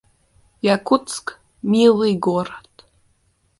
Якутск — милый город